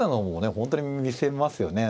本当に見せますよね。